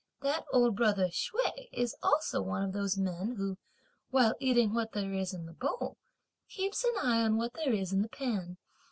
that old brother Hsüeh is also one of those men, who, while eating what there is in the bowl, keeps an eye on what there is in the pan!